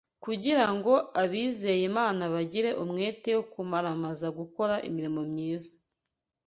kugira ngo abizeye Imana bagire umwete wo kumaramaza gukora imirimo myiza